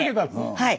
はい。